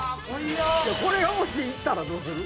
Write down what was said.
これがもしいったらどうする？